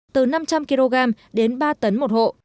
từ năm trăm linh kg đến ba tấn một hộ